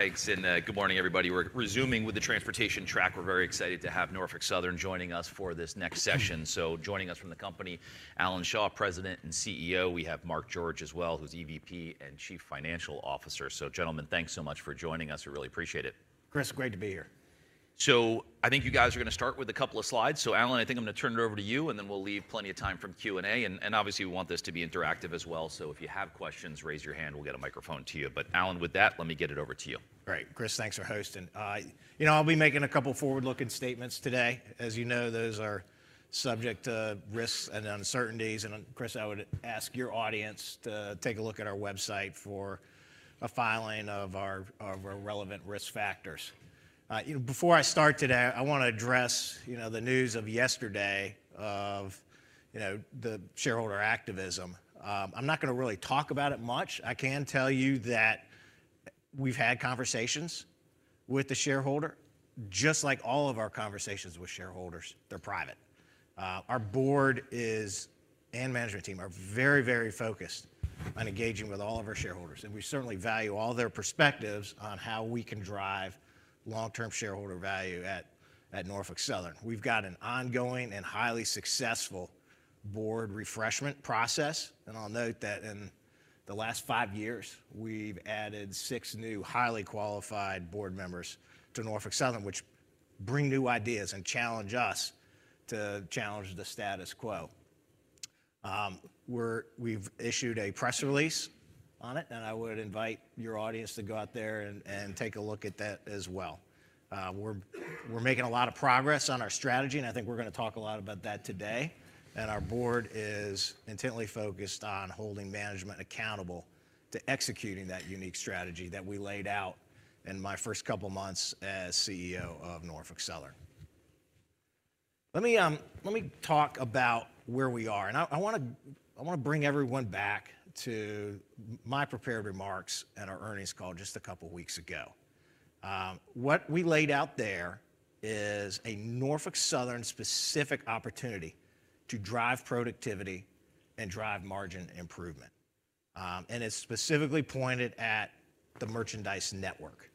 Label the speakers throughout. Speaker 1: Thanks, and good morning, everybody. We're resuming with the transportation track. We're very excited to have Norfolk Southern joining us for this next session. So joining us from the company, Alan Shaw, President and CEO. We have Mark George as well, who's EVP and Chief Financial Officer. So, gentlemen, thanks so much for joining us. We really appreciate it.
Speaker 2: Chris, great to be here.
Speaker 1: So I think you guys are going to start with a couple of slides. So, Alan, I think I'm going to turn it over to you, and then we'll leave plenty of time for Q&A. And, obviously we want this to be interactive as well, so if you have questions, raise your hand. We'll get a microphone to you. But, Alan, with that, let me get it over to you.
Speaker 2: All right. Chris, thanks for hosting. You know, I'll be making a couple forward-looking statements today. As you know, those are subject to risks and uncertainties. And, Chris, I would ask your audience to take a look at our website for a filing of our, of our relevant risk factors. You know, before I start today, I want to address, you know, the news of yesterday of, you know, the shareholder activism. I'm not going to really talk about it much. I can tell you that we've had conversations with the shareholder, just like all of our conversations with shareholders. They're private. Our board is and management team are very, very focused on engaging with all of our shareholders. And we certainly value all their perspectives on how we can drive long-term shareholder value at, at Norfolk Southern. We've got an ongoing and highly successful board refreshment process. And I'll note that in the last five years, we've added six new highly qualified board members to Norfolk Southern, which bring new ideas and challenge us to challenge the status quo. We've issued a press release on it, and I would invite your audience to go out there and take a look at that as well. We're making a lot of progress on our strategy, and I think we're going to talk a lot about that today. And our board is intently focused on holding management accountable to executing that unique strategy that we laid out in my first couple months as CEO of Norfolk Southern. Let me talk about where we are. And I want to bring everyone back to my prepared remarks at our earnings call just a couple weeks ago. What we laid out there is a Norfolk Southern-specific opportunity to drive productivity and drive margin improvement. It's specifically pointed at the merchandise network,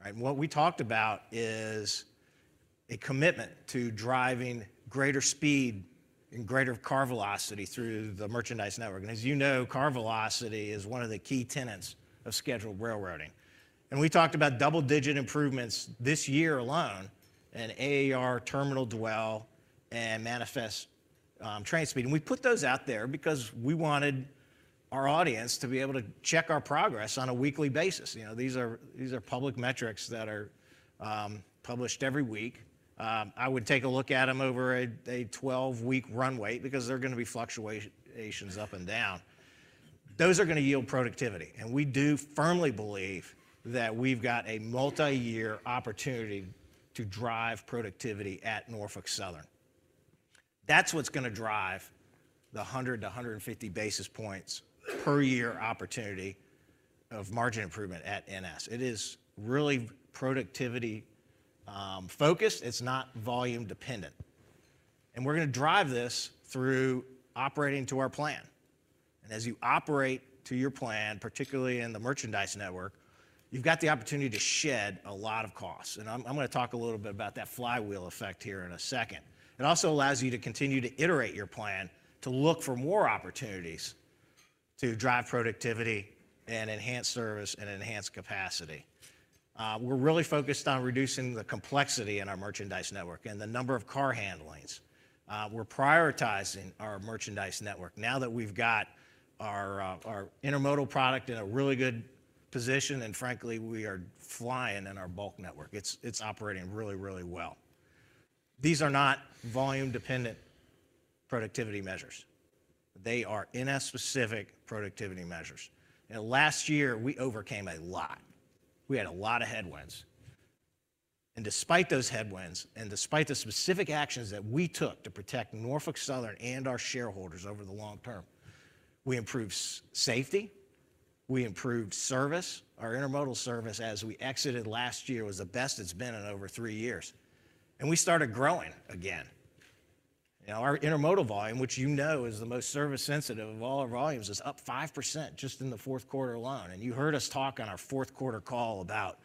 Speaker 2: all right? What we talked about is a commitment to driving greater speed and greater car velocity through the merchandise network. As you know, car velocity is one of the key tenets of scheduled railroading. We talked about double-digit improvements this year AAR terminal dwell and manifest train speed. We put those out there because we wanted our audience to be able to check our progress on a weekly basis. You know, these are public metrics that are published every week. I would take a look at them over a 12-week runway because there are going to be fluctuations up and down. Those are going to yield productivity. We do firmly believe that we've got a multi-year opportunity to drive productivity at Norfolk Southern. That's what's going to drive the 100-150 basis points per year opportunity of margin improvement at NS. It is really productivity, focused. It's not volume-dependent. We're going to drive this through operating to our plan. As you operate to your plan, particularly in the merchandise network, you've got the opportunity to shed a lot of costs. I'm going to talk a little bit about that flywheel effect here in a second. It also allows you to continue to iterate your plan to look for more opportunities to drive productivity and enhance service and enhance capacity. We're really focused on reducing the complexity in our merchandise network and the number of car handlings. We're prioritizing our merchandise network now that we've got our intermodal product in a really good position. And frankly, we are flying in our bulk network. It's operating really well. These are not volume-dependent productivity measures. They are NS-specific productivity measures. Last year, we overcame a lot. We had a lot of headwinds. Despite those headwinds and despite the specific actions that we took to protect Norfolk Southern and our shareholders over the long term, we improved safety. We improved service. Our intermodal service, as we exited last year, was the best it's been in over three years. We started growing again. You know, our intermodal volume, which you know is the most service-sensitive of all our volumes, is up 5% just in the fourth quarter alone. You heard us talk on our fourth quarter call about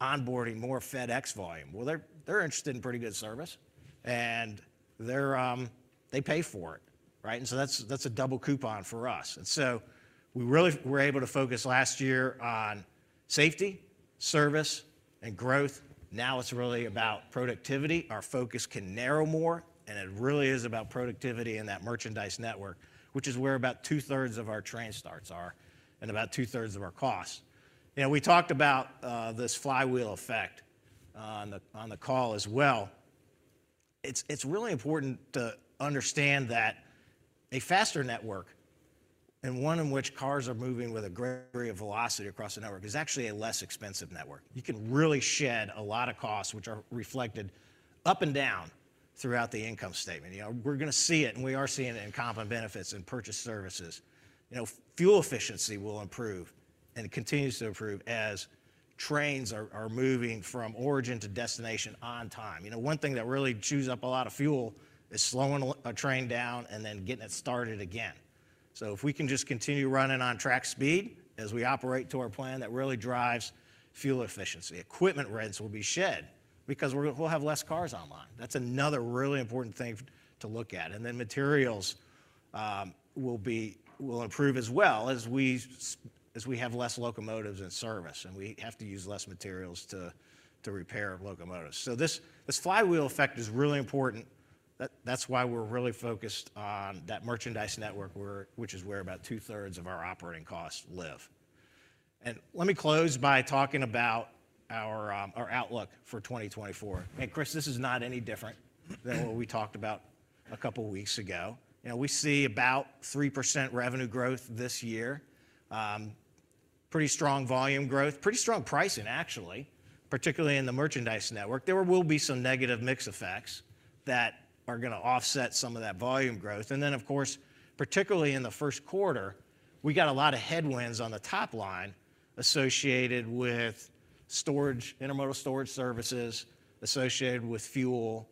Speaker 2: onboarding more FedEx volume. Well, they're interested in pretty good service, and they pay for it, right? And so that's a double coupon for us. And so we really were able to focus last year on safety, service, and growth. Now it's really about productivity. Our focus can narrow more, and it really is about productivity in that merchandise network, which is where about two-thirds of our train starts are and about two-thirds of our costs. You know, we talked about this flywheel effect on the call as well. It's really important to understand that a faster network, and one in which cars are moving with a greater velocity across the network, is actually a less expensive network. You can really shed a lot of costs, which are reflected up and down throughout the income statement. You know, we're going to see it, and we are seeing it in compound benefits and purchased services. You know, fuel efficiency will improve and continues to improve as trains are moving from origin to destination on time. You know, one thing that really chews up a lot of fuel is slowing a train down and then getting it started again. So if we can just continue running on track speed as we operate to our plan, that really drives fuel efficiency. Equipment rents will be shed because we're going to have less cars online. That's another really important thing to look at. And then materials will improve as well as we have less locomotives in service and we have to use less materials to repair locomotives. So this flywheel effect is really important. That, that's why we're really focused on that merchandise network, which is where about two-thirds of our operating costs live. And let me close by talking about our outlook for 2024. Hey, Chris, this is not any different than what we talked about a couple weeks ago. You know, we see about 3% revenue growth this year, pretty strong volume growth, pretty strong pricing, actually, particularly in the merchandise network. There will be some negative mix effects that are going to offset some of that volume growth. And then, of course, particularly in the first quarter, we got a lot of headwinds on the top line associated with storage, intermodal storage services associated with fuel,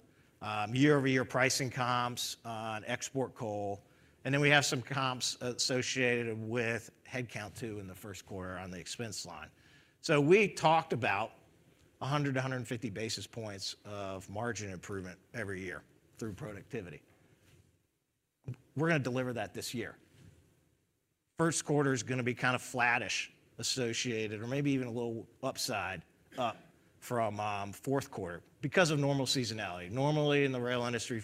Speaker 2: year-over-year pricing comps on export coal. And then we have some comps, associated with headcount too in the first quarter on the expense line. So we talked about 100-150 basis points of margin improvement every year through productivity. We're going to deliver that this year. First quarter is going to be kind of flattish associated or maybe even a little upside up from, fourth quarter because of normal seasonality. Normally, in the rail industry,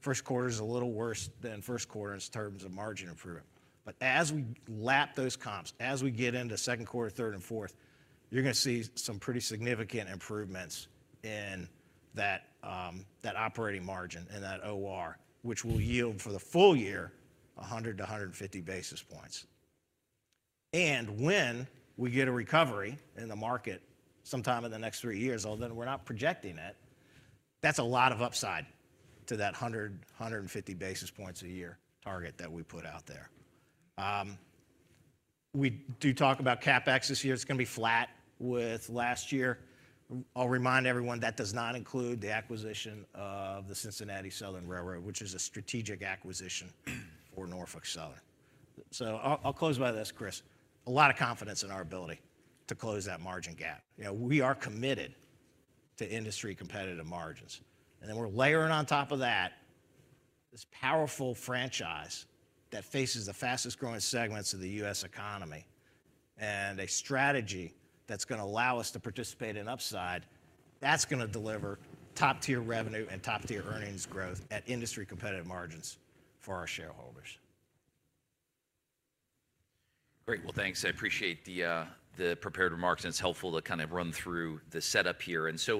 Speaker 2: first quarter is a little worse than first quarter in terms of margin improvement. But as we lap those comps, as we get into second quarter, third, and fourth, you're going to see some pretty significant improvements in that, that operating margin and that OR, which will yield for the full year 100-150 basis points. And when we get a recovery in the market sometime in the next three years, although we're not projecting it, that's a lot of upside to that 100-150 basis points a year target that we put out there. We do talk about CapEx this year. It's going to be flat with last year. I'll remind everyone that does not include the acquisition of the Cincinnati Southern Railroad, which is a strategic acquisition for Norfolk Southern. So I'll, I'll close by this, Chris, a lot of confidence in our ability to close that margin gap. You know, we are committed to industry-competitive margins. And then we're layering on top of that this powerful franchise that faces the fastest-growing segments of the U.S. economy and a strategy that's going to allow us to participate in upside that's going to deliver top-tier revenue and top-tier earnings growth at industry-competitive margins for our shareholders.
Speaker 1: Great. Well, thanks. I appreciate the prepared remarks. And it's helpful to kind of run through the setup here. And so,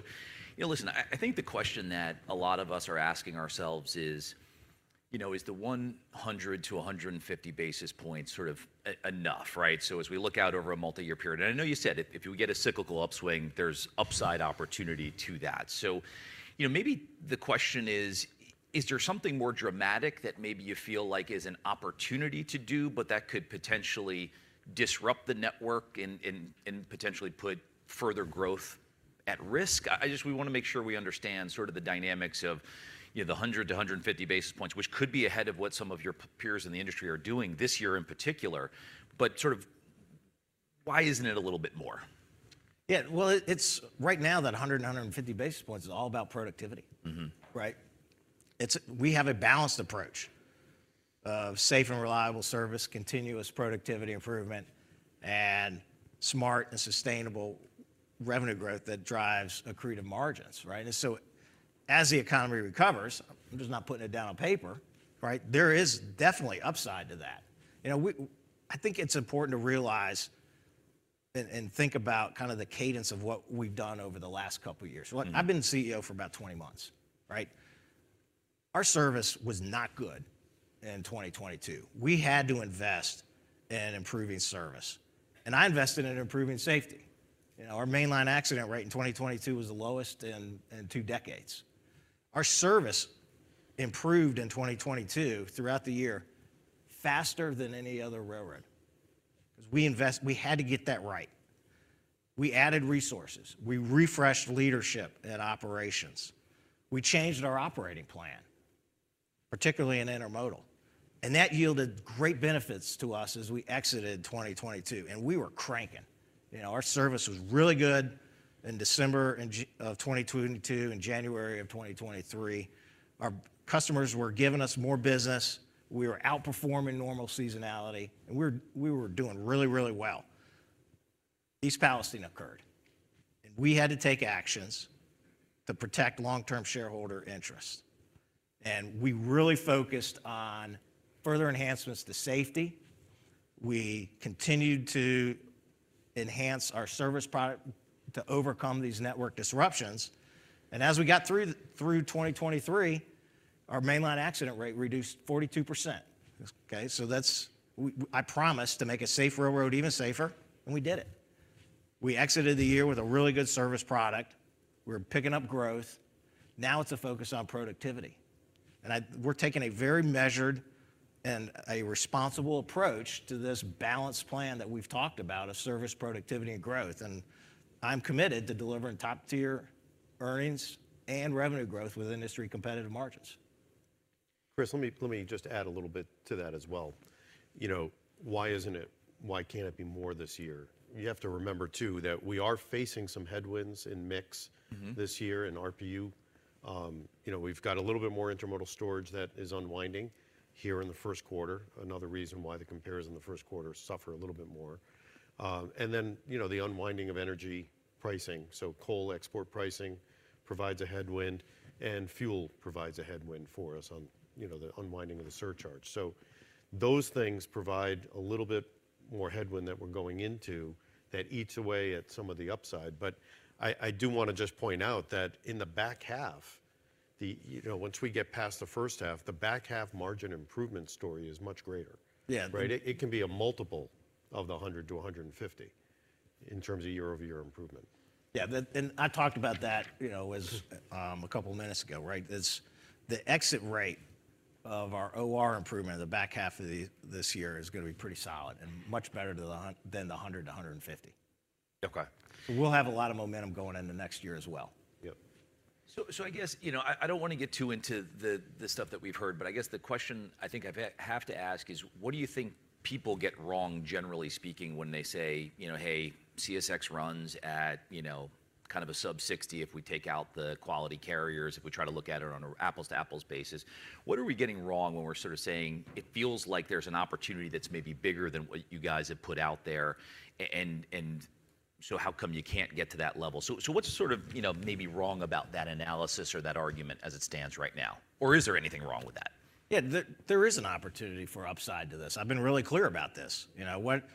Speaker 1: you know, listen, I think the question that a lot of us are asking ourselves is, you know, is the 100-150 basis points sort of enough, right? So as we look out over a multi-year period and I know you said if we get a cyclical upswing, there's upside opportunity to that. So, you know, maybe the question is, is there something more dramatic that maybe you feel like is an opportunity to do, but that could potentially disrupt the network and potentially put further growth at risk? I just want to make sure we understand sort of the dynamics of, you know, the 100-150 basis points, which could be ahead of what some of your peers in the industry are doing this year in particular. But sort of why isn't it a little bit more?
Speaker 2: Yeah. Well, it's right now that 100 and 150 basis points is all about productivity, right? It's, we have a balanced approach of safe and reliable service, continuous productivity improvement, and smart and sustainable revenue growth that drives accretive margins, right? And so as the economy recovers, I'm just not putting it down on paper, right? There is definitely upside to that. You know, I think it's important to realize and think about kind of the cadence of what we've done over the last couple of years. Look, I've been CEO for about 20 months, right? Our service was not good in 2022. We had to invest in improving service. And I invested in improving safety. You know, our mainline accident rate in 2022 was the lowest in two decades. Our service improved in 2022 throughout the year faster than any other railroad because we invest we had to get that right. We added resources. We refreshed leadership and operations. We changed our operating plan, particularly in intermodal. And that yielded great benefits to us as we exited 2022. And we were cranking. You know, our service was really good in December and of 2022 and January of 2023. Our customers were giving us more business. We were outperforming normal seasonality. And we were we were doing really, really well. East Palestine occurred. And we had to take actions to protect long-term shareholder interest. And we really focused on further enhancements to safety. We continued to enhance our service product to overcome these network disruptions. And as we got through, through 2023, our mainline accident rate reduced 42%, okay? So that's what I promised to make a safe railroad even safer. And we did it. We exited the year with a really good service product. We were picking up growth. Now it's a focus on productivity. And we're taking a very measured and a responsible approach to this balanced plan that we've talked about of service, productivity, and growth. And I'm committed to delivering top-tier earnings and revenue growth with industry-competitive margins.
Speaker 3: Chris, let me just add a little bit to that as well. You know, why can't it be more this year? You have to remember too that we are facing some headwinds in mix this year in RPU. You know, we've got a little bit more intermodal storage that is unwinding here in the first quarter, another reason why the compares in the first quarter suffer a little bit more. And then, you know, the unwinding of energy pricing, so coal export pricing provides a headwind, and fuel provides a headwind for us on, you know, the unwinding of the surcharge. So those things provide a little bit more headwind that we're going into that eats away at some of the upside. But I do want to just point out that in the back half, the you know, once we get past the first half, the back half margin improvement story is much greater, right? It can be a multiple of the 100-150 in terms of year-over-year improvement.
Speaker 2: Yeah. That, and I talked about that, you know, as a couple minutes ago, right? It's the exit rate of our OR improvement in the back half of this year is going to be pretty solid and much better than the 100-150.
Speaker 1: Okay.
Speaker 2: We'll have a lot of momentum going into next year as well.
Speaker 1: Yep. So I guess, you know, I don't want to get too into the stuff that we've heard, but I guess the question I think I have to ask is, what do you think people get wrong, generally speaking, when they say, you know, hey, CSX runs at, you know, kind of a sub-60 if we take out the Quality Carriers, if we try to look at it on a apples-to-apples basis? What are we getting wrong when we're sort of saying it feels like there's an opportunity that's maybe bigger than what you guys have put out there? And so how come you can't get to that level? So what's sort of, you know, maybe wrong about that analysis or that argument as it stands right now? Or is there anything wrong with that?
Speaker 2: Yeah. There is an opportunity for upside to this. I've been really clear about this. You know, what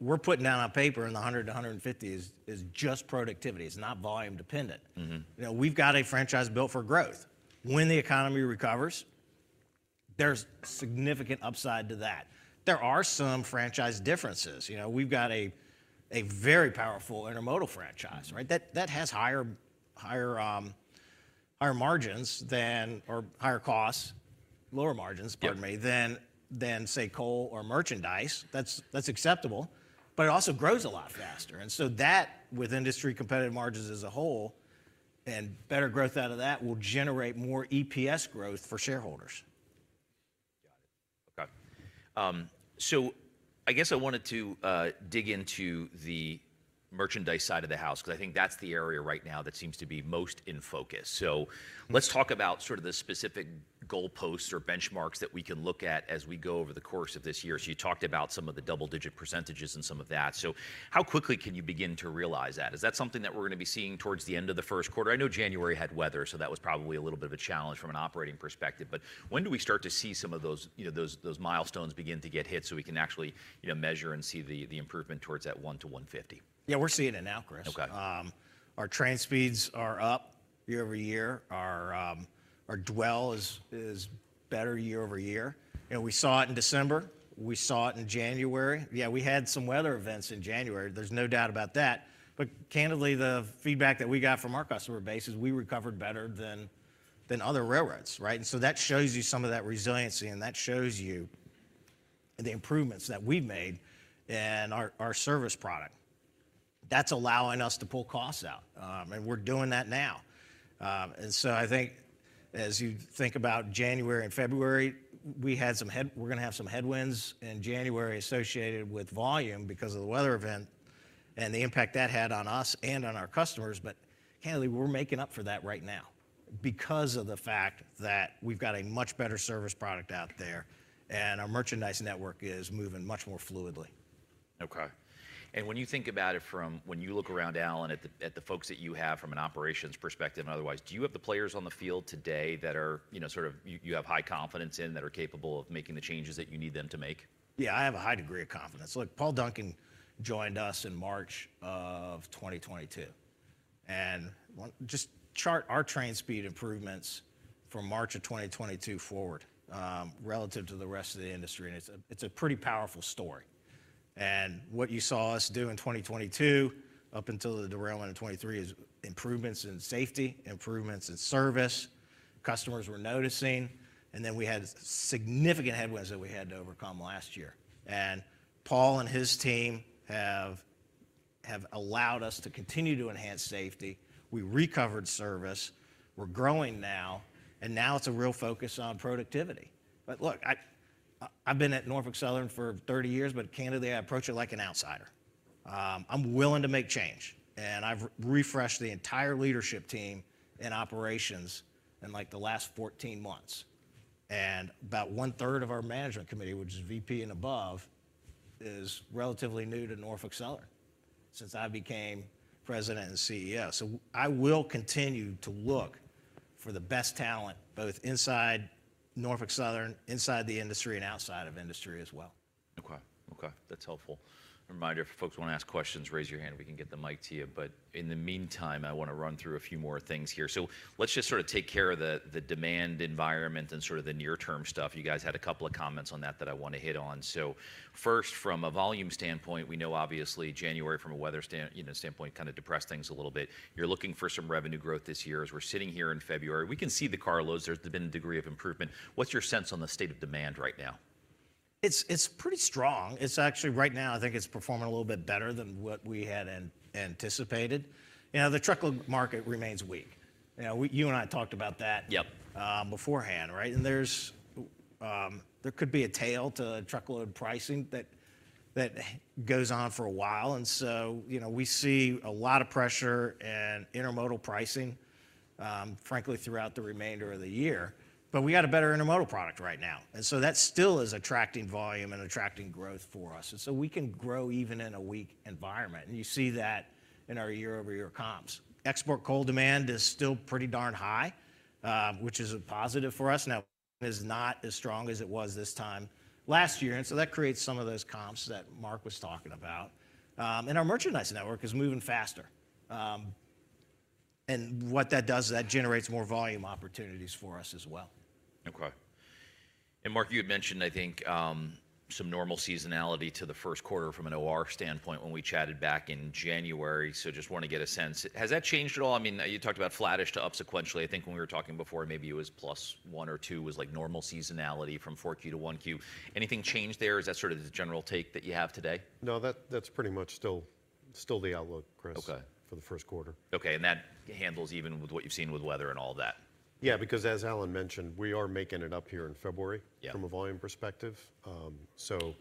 Speaker 2: we're putting down on paper in the 100-150 is just productivity. It's not volume-dependent. You know, we've got a franchise built for growth. When the economy recovers, there's significant upside to that. There are some franchise differences. You know, we've got a very powerful intermodal franchise, right? That has higher costs, lower margins, pardon me, than say coal or merchandise. That's acceptable. But it also grows a lot faster. And so that with industry-competitive margins as a whole and better growth out of that will generate more EPS growth for shareholders.
Speaker 1: Got it. Okay. So I guess I wanted to dig into the merchandise side of the house because I think that's the area right now that seems to be most in focus. So let's talk about sort of the specific goalposts or benchmarks that we can look at as we go over the course of this year. So you talked about some of the double-digit percentages and some of that. So how quickly can you begin to realize that? Is that something that we're going to be seeing towards the end of the first quarter? I know January had weather, so that was probably a little bit of a challenge from an operating perspective. But when do we start to see some of those, you know, those, those milestones begin to get hit so we can actually, you know, measure and see the, the improvement towards that 1 to 150?
Speaker 2: Yeah, we're seeing it now, Chris. Our train speeds are up year-over-year. Our dwell is better year-over-year. You know, we saw it in December. We saw it in January. Yeah, we had some weather events in January. There's no doubt about that. But candidly, the feedback that we got from our customer base is we recovered better than other railroads, right? And so that shows you some of that resiliency. And that shows you the improvements that we've made in our service product. That's allowing us to pull costs out, and we're doing that now. And so I think as you think about January and February, we're going to have some headwinds in January associated with volume because of the weather event and the impact that had on us and on our customers. Candidly, we're making up for that right now because of the fact that we've got a much better service product out there and our merchandise network is moving much more fluidly.
Speaker 1: Okay. And when you think about it from when you look around, Alan, at the folks that you have from an operations perspective and otherwise, do you have the players on the field today that are, you know, sort of you have high confidence in that are capable of making the changes that you need them to make?
Speaker 2: Yeah, I have a high degree of confidence. Look, Paul Duncan joined us in March of 2022. Just chart our train speed improvements from March of 2022 forward, relative to the rest of the industry. It's a pretty powerful story. What you saw us do in 2022 up until the derailment in 2023 is improvements in safety, improvements in service. Customers were noticing. Then we had significant headwinds that we had to overcome last year. Paul and his team have allowed us to continue to enhance safety. We recovered service. We're growing now. Now it's a real focus on productivity. But look, I've been at Norfolk Southern for 30 years, but candidly, I approach it like an outsider. I'm willing to make change. I've refreshed the entire leadership team in operations in like the last 14 months. About one-third of our management committee, which is VP and above, is relatively new to Norfolk Southern since I became President and CEO. I will continue to look for the best talent both inside Norfolk Southern, inside the industry, and outside of industry as well.
Speaker 1: Okay. Okay. That's helpful. A reminder, if folks want to ask questions, raise your hand. We can get the mic to you. But in the meantime, I want to run through a few more things here. So let's just sort of take care of the demand environment and sort of the near-term stuff. You guys had a couple of comments on that that I want to hit on. So first, from a volume standpoint, we know obviously January from a weather standpoint, you know, kind of depressed things a little bit. You're looking for some revenue growth this year. As we're sitting here in February, we can see the carloads. There's been a degree of improvement. What's your sense on the state of demand right now?
Speaker 2: It's pretty strong. It's actually right now, I think it's performing a little bit better than what we had anticipated. You know, the truckload market remains weak. You know, we, you and I talked about that, beforehand, right? And there could be a tail to truckload pricing that goes on for a while. And so, you know, we see a lot of pressure in intermodal pricing, frankly, throughout the remainder of the year. But we got a better intermodal product right now. And so that still is attracting volume and attracting growth for us. And so we can grow even in a weak environment. And you see that in our year-over-year comps. export coal demand is still pretty darn high, which is a positive for us. Now, it is not as strong as it was this time last year. And so that creates some of those comps that Mark was talking about. And our merchandise network is moving faster. And what that does is that generates more volume opportunities for us as well.
Speaker 1: Okay. And Mark, you had mentioned, I think, some normal seasonality to the first quarter from an OR standpoint when we chatted back in January. So just want to get a sense. Has that changed at all? I mean, you talked about flattish to up sequentially. I think when we were talking before, maybe it was plus one or two was like normal seasonality from 4Q to 1Q. Anything changed there? Is that sort of the general take that you have today?
Speaker 3: No, that's pretty much still the outlook, Chris, for the first quarter.
Speaker 1: Okay. That handles even with what you've seen with weather and all that?
Speaker 3: Yeah, because as Alan mentioned, we are making it up here in February from a volume perspective. So,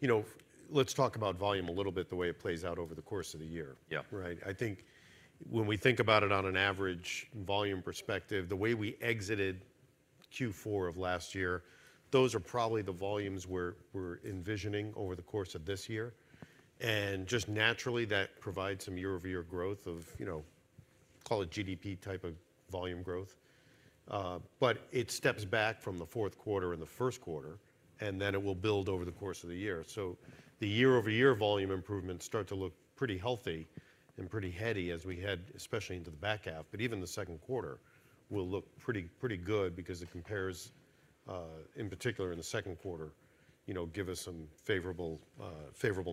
Speaker 3: you know, let's talk about volume a little bit, the way it plays out over the course of the year, right? I think when we think about it on an average volume perspective, the way we exited Q4 of last year, those are probably the volumes we're, we're envisioning over the course of this year. And just naturally, that provides some year-over-year growth of, you know, call it GDP type of volume growth. But it steps back from the fourth quarter and the first quarter, and then it will build over the course of the year. So the year-over-year volume improvements start to look pretty healthy and pretty heady as we head, especially into the back half. But even the second quarter will look pretty good because it compares, in particular in the second quarter, you know, give us some favorable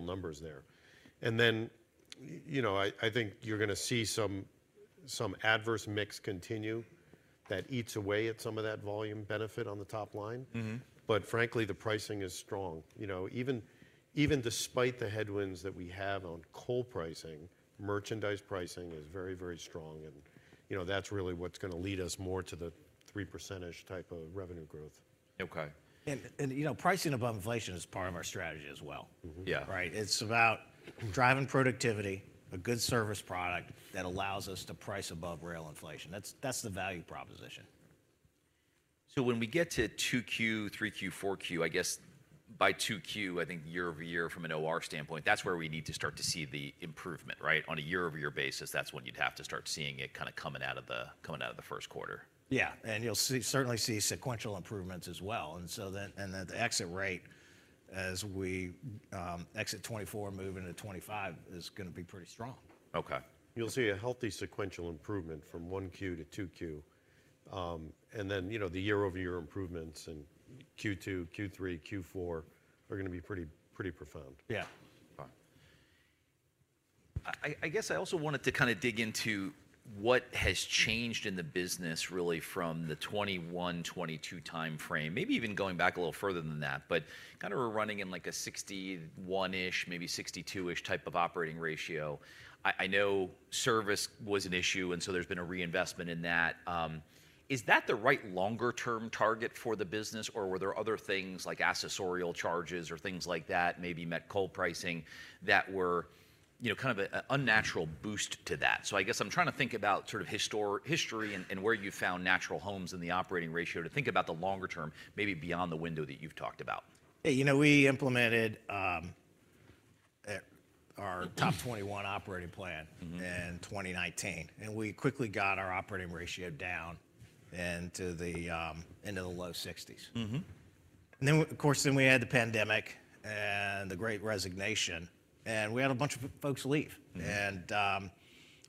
Speaker 3: numbers there. And then, you know, I think you're going to see some adverse mix continue that eats away at some of that volume benefit on the top line. But frankly, the pricing is strong. You know, even despite the headwinds that we have on coal pricing, merchandise pricing is very strong. And, you know, that's really what's going to lead us more to the 3%-ish type of revenue growth.
Speaker 1: Okay.
Speaker 2: You know, pricing above inflation is part of our strategy as well, right? It's about driving productivity, a good service product that allows us to price above real inflation. That's the value proposition.
Speaker 1: When we get to 2Q, 3Q, 4Q, I guess by 2Q, I think year-over-year from an OR standpoint, that's where we need to start to see the improvement, right? On a year-over-year basis, that's when you'd have to start seeing it kind of coming out of the first quarter.
Speaker 2: Yeah. And you'll certainly see sequential improvements as well. And so then the exit rate as we exit 2024 moving to 2025 is going to be pretty strong.
Speaker 1: Okay.
Speaker 3: You'll see a healthy sequential improvement from 1Q to 2Q. And then, you know, the year-over-year improvements in Q2, Q3, Q4 are going to be pretty, pretty profound.
Speaker 2: Yeah.
Speaker 1: Okay. I, I guess I also wanted to kind of dig into what has changed in the business really from the 2021, 2022 time frame, maybe even going back a little further than that, but kind of we're running in like a 61-ish, maybe 62-ish type of Operating Ratio. I, I know service was an issue, and so there's been a reinvestment in that. Is that the right longer-term target for the business, or were there other things like accessorial charges or things like that, maybe met coal pricing, that were, you know, kind of an unnatural boost to that? So I guess I'm trying to think about sort of history and where you found natural homes in the Operating Ratio to think about the longer term, maybe beyond the window that you've talked about.
Speaker 2: Hey, you know, we implemented our TOP 2.1 operating plan in 2019. And we quickly got our operating ratio down into the low 60s. And then, of course, we had the pandemic and the great resignation. And we had a bunch of folks leave. And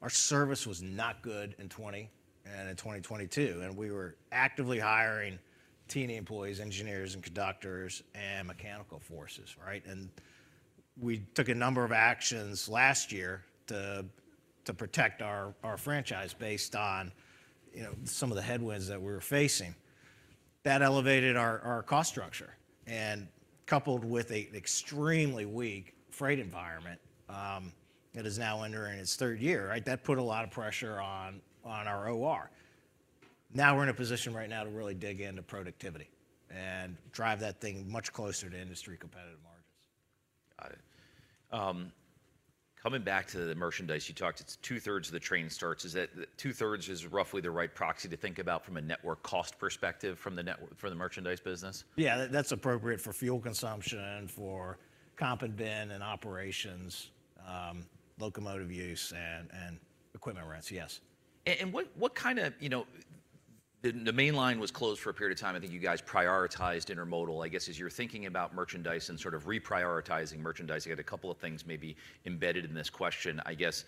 Speaker 2: our service was not good in 2020 and in 2022. And we were actively hiring T&E employees, engineers, and conductors and mechanical forces, right? And we took a number of actions last year to protect our franchise based on, you know, some of the headwinds that we were facing. That elevated our cost structure. And coupled with an extremely weak freight environment that is now entering its third year, right, that put a lot of pressure on our OR. Now we're in a position right now to really dig into productivity and drive that thing much closer to industry-competitive margins.
Speaker 1: Got it. Coming back to the merchandise, you talked it's two-thirds of the train starts. Is that two-thirds is roughly the right proxy to think about from a network cost perspective from the network from the merchandise business?
Speaker 2: Yeah, that's appropriate for fuel consumption, for Comp and Ben and operations, locomotive use and equipment rents. Yes.
Speaker 1: And what kind of, you know, the main line was closed for a period of time. I think you guys prioritized intermodal, I guess, as you're thinking about merchandise and sort of reprioritizing merchandise. You had a couple of things maybe embedded in this question, I guess.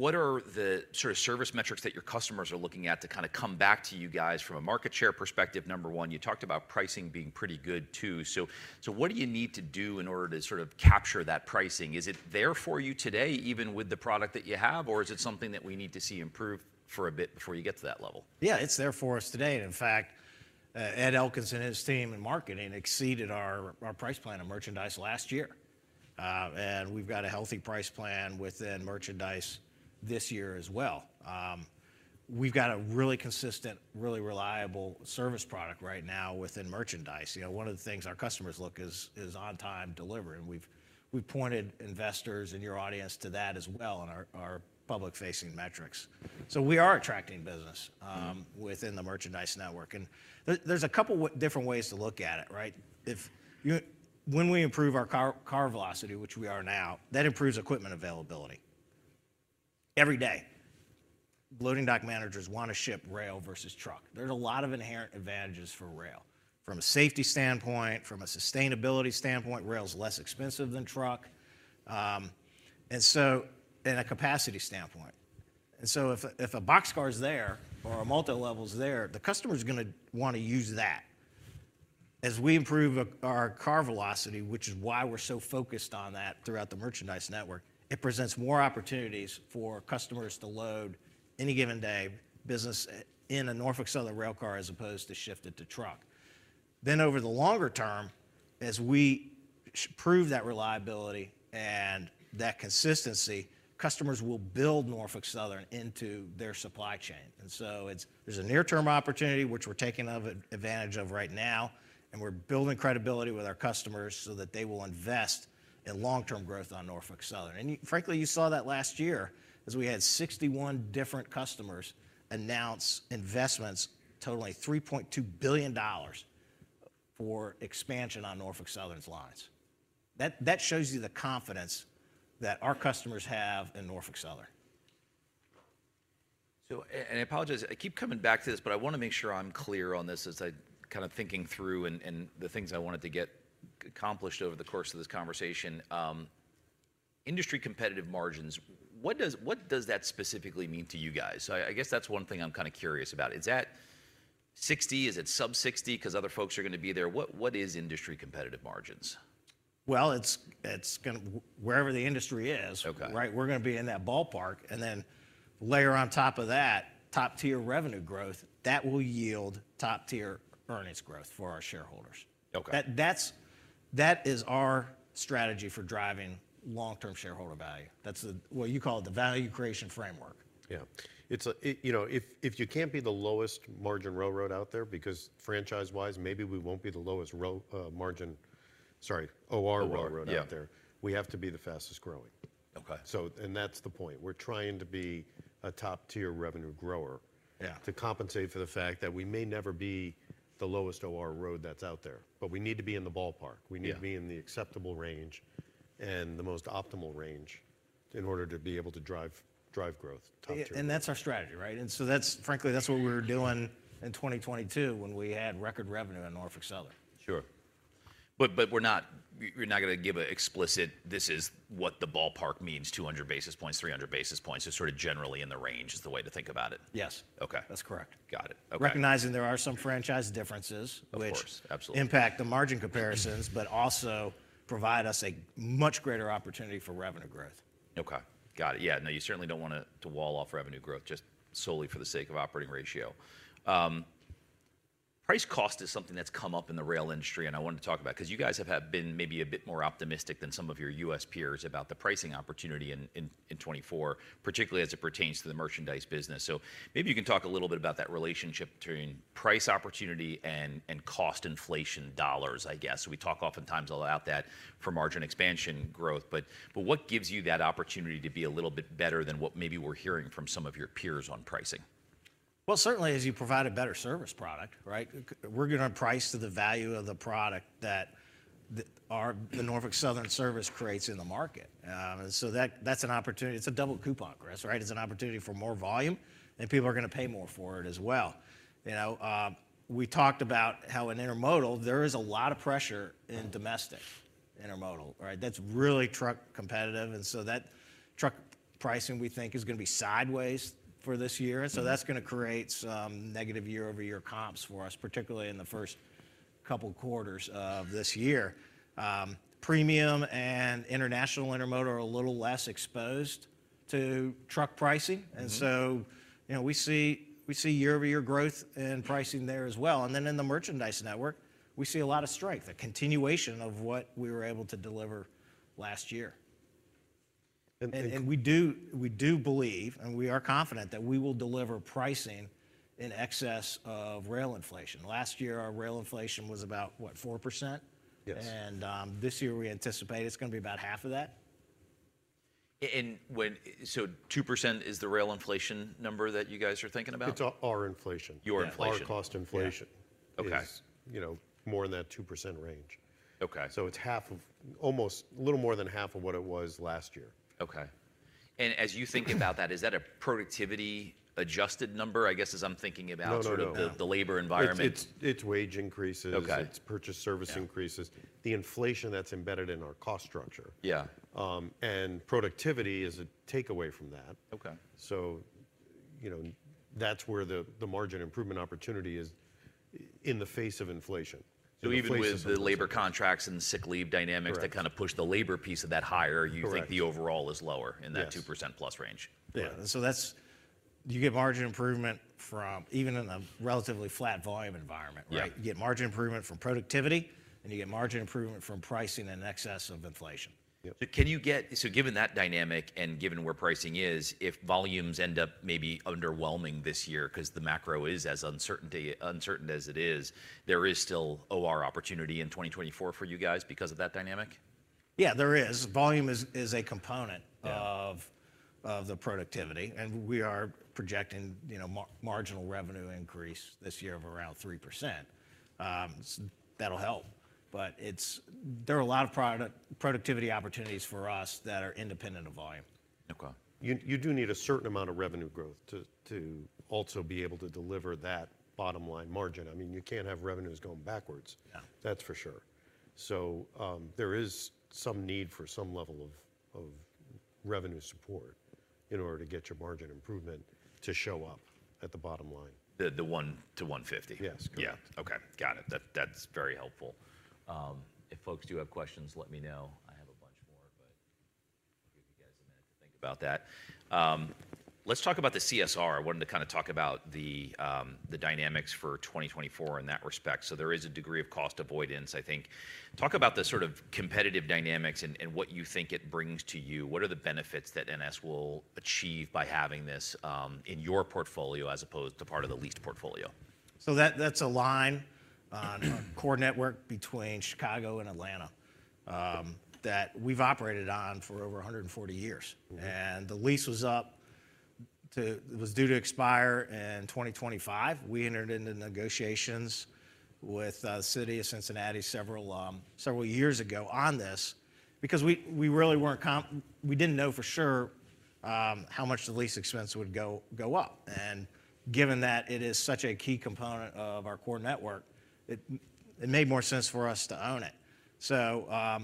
Speaker 1: What are the sort of service metrics that your customers are looking at to kind of come back to you guys from a market share perspective? Number one, you talked about pricing being pretty good too. So what do you need to do in order to sort of capture that pricing? Is it there for you today, even with the product that you have, or is it something that we need to see improve for a bit before you get to that level?
Speaker 2: Yeah, it's there for us today. In fact, Ed Elkins and his team in marketing exceeded our price plan of merchandise last year. We've got a healthy price plan within merchandise this year as well. We've got a really consistent, really reliable service product right now within merchandise. You know, one of the things our customers look is on-time delivery. We've pointed investors and your audience to that as well in our public-facing metrics. So we are attracting business within the merchandise network. There's a couple different ways to look at it, right? When we improve our car velocity, which we are now, that improves equipment availability every day. Loading dock managers want to ship rail versus truck. There's a lot of inherent advantages for rail from a safety standpoint, from a sustainability standpoint. Rail's less expensive than truck, and so in a capacity standpoint. And so if, if a boxcar is there or a multi-level is there, the customer's going to want to use that. As we improve our car velocity, which is why we're so focused on that throughout the merchandise network, it presents more opportunities for customers to load any given day business in a Norfolk Southern railcar as opposed to shift it to truck. Then over the longer term, as we prove that reliability and that consistency, customers will build Norfolk Southern into their supply chain. And so it's, there's a near-term opportunity, which we're taking advantage of right now. And we're building credibility with our customers so that they will invest in long-term growth on Norfolk Southern. You frankly, you saw that last year as we had 61 different customers announce investments, totaling $3.2 billion for expansion on Norfolk Southern's lines. That shows you the confidence that our customers have in Norfolk Southern.
Speaker 1: So, and I apologize. I keep coming back to this, but I want to make sure I'm clear on this as I kind of thinking through and, and the things I wanted to get accomplished over the course of this conversation. Industry-competitive margins, what does, what does that specifically mean to you guys? So I, I guess that's one thing I'm kind of curious about. Is that 60? Is it sub-60 because other folks are going to be there? What, what is industry-competitive margins?
Speaker 2: Well, it's going to wherever the industry is, right? We're going to be in that ballpark. And then layer on top of that top-tier revenue growth, that will yield top-tier earnings growth for our shareholders. That is our strategy for driving long-term shareholder value. That's what you call it, the value creation framework.
Speaker 3: Yeah. It's, you know, if you can't be the lowest margin railroad out there because franchise-wise, maybe we won't be the lowest road, margin, sorry, OR railroad out there. We have to be the fastest growing.
Speaker 1: Okay.
Speaker 3: So, and that's the point. We're trying to be a top-tier revenue grower to compensate for the fact that we may never be the lowest OR road that's out there. But we need to be in the ballpark. We need to be in the acceptable range and the most optimal range in order to be able to drive, drive growth top-tier.
Speaker 2: That's our strategy, right? And so that's, frankly, that's what we were doing in 2022 when we had record revenue in Norfolk Southern.
Speaker 1: Sure. But we're not, you're not going to give an explicit, this is what the ballpark means, 200 basis points, 300 basis points, just sort of generally in the range is the way to think about it.
Speaker 2: Yes.
Speaker 1: Okay.
Speaker 2: That's correct.
Speaker 1: Got it. Okay.
Speaker 2: Recognizing there are some franchise differences, which impact the margin comparisons, but also provide us a much greater opportunity for revenue growth.
Speaker 1: Okay. Got it. Yeah. No, you certainly don't want to wall off revenue growth just solely for the sake of operating ratio. Price cost is something that's come up in the rail industry. I wanted to talk about because you guys have been maybe a bit more optimistic than some of your U.S. peers about the pricing opportunity in 2024, particularly as it pertains to the merchandise business. So maybe you can talk a little bit about that relationship between price opportunity and cost inflation dollars, I guess. We talk oftentimes a lot about that for margin expansion growth. But what gives you that opportunity to be a little bit better than what maybe we're hearing from some of your peers on pricing?
Speaker 2: Well, certainly, as you provide a better service product, right, we're going to price to the value of the product that the Norfolk Southern service creates in the market. So that, that's an opportunity. It's a double coupon, Chris, right? It's an opportunity for more volume. And people are going to pay more for it as well. You know, we talked about how in intermodal, there is a lot of pressure in domestic intermodal, right? That's really truck competitive. And so that truck pricing, we think, is going to be sideways for this year. And so that's going to create some negative year-over-year comps for us, particularly in the first couple quarters of this year. Premium and international intermodal are a little less exposed to truck pricing. And so, you know, we see, we see year-over-year growth in pricing there as well. And then in the merchandise network, we see a lot of strength, a continuation of what we were able to deliver last year. And we do believe, and we are confident that we will deliver pricing in excess of rail inflation. Last year, our rail inflation was about 4%. This year, we anticipate it's going to be about half of that.
Speaker 1: So 2% is the rail inflation number that you guys are thinking about?
Speaker 3: It's our inflation.
Speaker 1: Your inflation.
Speaker 3: Our cost inflation is, you know, more in that 2% range.
Speaker 1: Okay.
Speaker 3: It's half of almost a little more than half of what it was last year.
Speaker 1: Okay. And as you think about that, is that a productivity-adjusted number, I guess, as I'm thinking about sort of the labor environment?
Speaker 3: It's wage increases. It's purchased services increases. The inflation that's embedded in our cost structure.
Speaker 1: Yeah.
Speaker 3: Productivity is a takeaway from that.
Speaker 1: Okay.
Speaker 3: you know, that's where the margin improvement opportunity is in the face of inflation.
Speaker 1: So even with the labor contracts and the sick leave dynamics that kind of push the labor piece of that higher, you think the overall is lower in that 2%+ range?
Speaker 3: Yeah. And so that's you get margin improvement from even in a relatively flat volume environment, right? You get margin improvement from productivity, and you get margin improvement from pricing in excess of inflation.
Speaker 1: So, given that dynamic and given where pricing is, if volumes end up maybe underwhelming this year because the macro is as uncertain as it is, there is still OR opportunity in 2024 for you guys because of that dynamic?
Speaker 2: Yeah, there is. Volume is a component of the productivity. And we are projecting, you know, marginal revenue increase this year of around 3%. That'll help. But there are a lot of productivity opportunities for us that are independent of volume.
Speaker 1: Okay.
Speaker 3: You do need a certain amount of revenue growth to also be able to deliver that bottom line margin. I mean, you can't have revenues going backwards. That's for sure. So, there is some need for some level of revenue support in order to get your margin improvement to show up at the bottom line.
Speaker 1: 1-150?
Speaker 3: Yes. Correct.
Speaker 1: Yeah. Okay. Got it. That, that's very helpful. If folks do have questions, let me know. I have a bunch more, but I'll give you guys a minute to think about that. Let's talk about the CSR. I wanted to kind of talk about the dynamics for 2024 in that respect. So there is a degree of cost avoidance, I think. Talk about the sort of competitive dynamics and what you think it brings to you. What are the benefits that NS will achieve by having this in your portfolio as opposed to part of the leased portfolio?
Speaker 2: So, that's a line on a core network between Chicago and Atlanta that we've operated on for over 140 years. The lease was due to expire in 2025. We entered into negotiations with the City of Cincinnati several years ago on this because we really didn't know for sure how much the lease expense would go up. And given that it is such a key component of our core network, it made more sense for us to own it. So,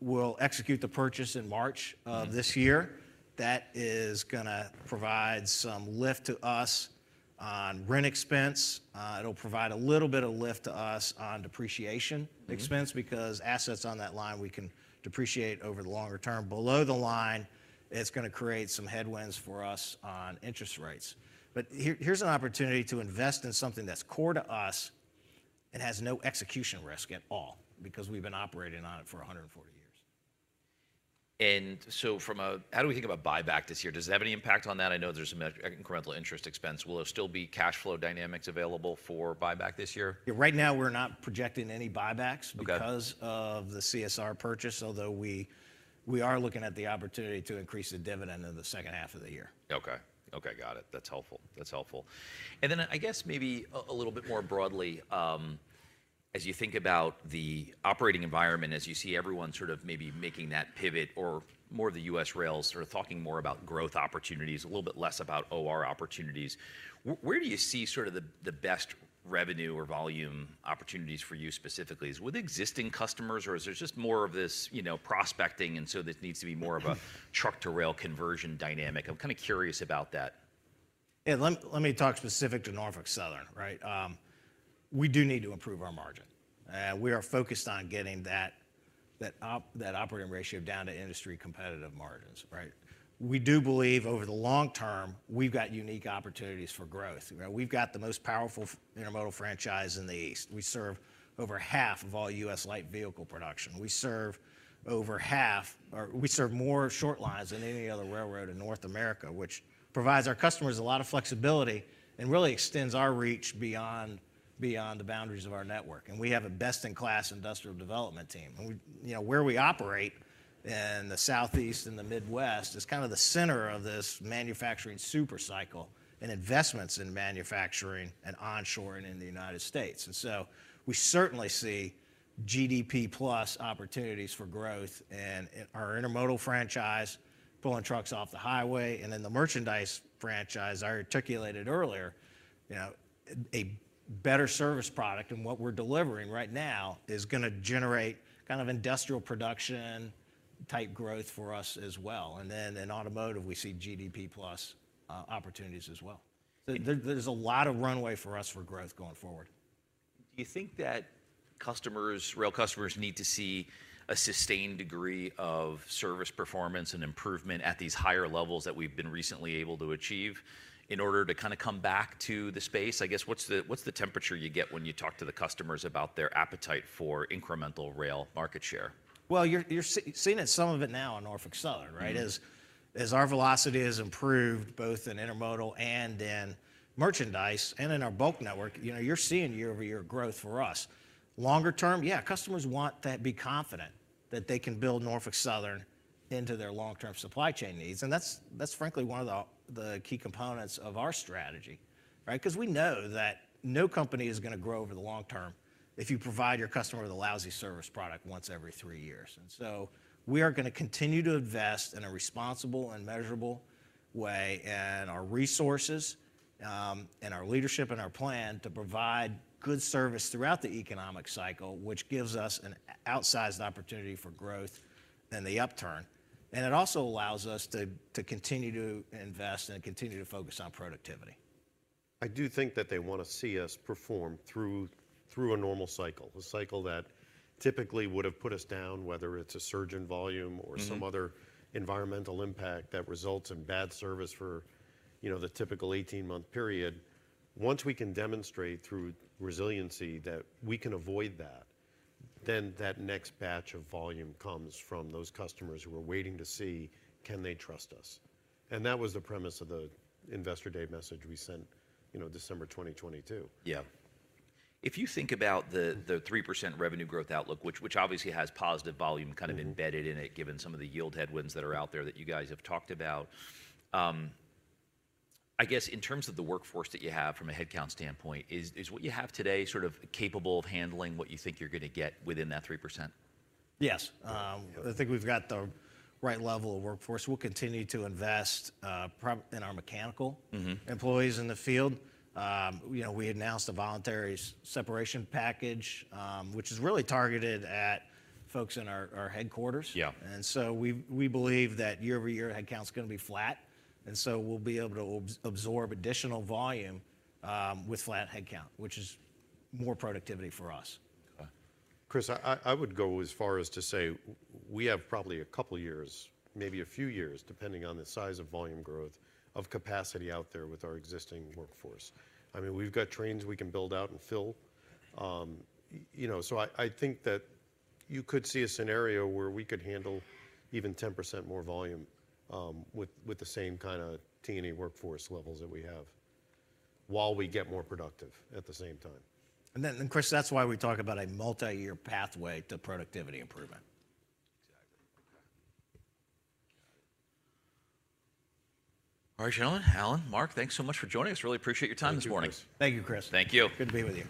Speaker 2: we'll execute the purchase in March of this year. That is going to provide some lift to us on rent expense. It'll provide a little bit of lift to us on depreciation expense because assets on that line, we can depreciate over the longer term. Below the line, it's going to create some headwinds for us on interest rates. But here, here's an opportunity to invest in something that's core to us and has no execution risk at all because we've been operating on it for 140 years.
Speaker 1: And so from a how do we think about buyback this year? Does it have any impact on that? I know there's some incremental interest expense. Will there still be cash flow dynamics available for buyback this year?
Speaker 2: Right now, we're not projecting any buybacks because of the CSR purchase, although we are looking at the opportunity to increase the dividend in the second half of the year.
Speaker 1: Okay. Okay. Got it. That's helpful. That's helpful. And then I guess maybe a little bit more broadly, as you think about the operating environment, as you see everyone sort of maybe making that pivot or more of the U.S. rails sort of talking more about growth opportunities, a little bit less about OR opportunities, where do you see sort of the, the best revenue or volume opportunities for you specifically? Is it with existing customers, or is there just more of this, you know, prospecting? And so this needs to be more of a truck-to-rail conversion dynamic. I'm kind of curious about that.
Speaker 2: Let me talk specific to Norfolk Southern, right? We do need to improve our margin. We are focused on getting that operating ratio down to industry-competitive margins, right? We do believe over the long term, we've got unique opportunities for growth. You know, we've got the most powerful intermodal franchise in the East. We serve over half of all U.S. light vehicle production. We serve over half or we serve more short lines than any other railroad in North America, which provides our customers a lot of flexibility and really extends our reach beyond the boundaries of our network. We have a best-in-class industrial development team. You know, where we operate in the Southeast and the Midwest is kind of the center of this manufacturing supercycle and investments in manufacturing and onshoring in the United States. So we certainly see GDP-plus opportunities for growth in our intermodal franchise, pulling trucks off the highway. Then the merchandise franchise, I articulated earlier, you know, a better service product and what we're delivering right now is going to generate kind of industrial production-type growth for us as well. Then in automotive, we see GDP-plus opportunities as well. So there's a lot of runway for us for growth going forward.
Speaker 1: Do you think that customers, rail customers, need to see a sustained degree of service performance and improvement at these higher levels that we've been recently able to achieve in order to kind of come back to the space? I guess what's the, what's the temperature you get when you talk to the customers about their appetite for incremental rail market share?
Speaker 2: Well, you're seeing it, some of it now in Norfolk Southern, right? Our velocity has improved both in intermodal and in merchandise and in our bulk network. You know, you're seeing year-over-year growth for us. Longer term, yeah, customers want to be confident that they can build Norfolk Southern into their long-term supply chain needs. And that's frankly one of the key components of our strategy, right? Because we know that no company is going to grow over the long term if you provide your customer the lousy service product once every three years. And so we are going to continue to invest in a responsible and measurable way in our resources, in our leadership and our plan to provide good service throughout the economic cycle, which gives us an outsized opportunity for growth in the upturn. It also allows us to continue to invest and continue to focus on productivity.
Speaker 3: I do think that they want to see us perform through a normal cycle, a cycle that typically would have put us down, whether it's a surge in volume or some other environmental impact that results in bad service for, you know, the typical 18-month period. Once we can demonstrate through resiliency that we can avoid that, then that next batch of volume comes from those customers who are waiting to see, can they trust us? And that was the premise of the Investor Day message we sent, you know, December 2022.
Speaker 1: Yeah. If you think about the 3% revenue growth outlook, which obviously has positive volume kind of embedded in it, given some of the yield headwinds that are out there that you guys have talked about, I guess in terms of the workforce that you have from a headcount standpoint, is what you have today sort of capable of handling what you think you're going to get within that 3%?
Speaker 2: Yes. I think we've got the right level of workforce. We'll continue to invest in our mechanical employees in the field. You know, we announced a voluntary separation package, which is really targeted at folks in our headquarters. Yeah. So we believe that year-over-year, headcount's going to be flat. So we'll be able to absorb additional volume with flat headcount, which is more productivity for us.
Speaker 3: Okay. Chris, I would go as far as to say we have probably a couple years, maybe a few years, depending on the size of volume growth, of capacity out there with our existing workforce. I mean, we've got trains we can build out and fill. You know, so I think that you could see a scenario where we could handle even 10% more volume, with the same kind of T&E workforce levels that we have while we get more productive at the same time.
Speaker 2: Chris, that's why we talk about a multi-year pathway to productivity improvement.
Speaker 1: Exactly. Okay. Got it. All right, gentlemen, Alan, Mark, thanks so much for joining us. Really appreciate your time this morning.
Speaker 2: Thank you, Chris.
Speaker 1: Thank you.
Speaker 2: Good to be with you.